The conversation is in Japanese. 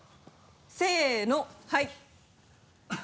せのはい。